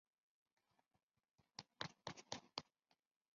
日本电影祭是每年在新加坡所举行的电影节活动。